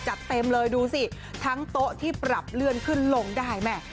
จัดเต็มเลยดูสิทั้งโต๊ะที่ปรับเลื่อนขึ้นลงได้แม่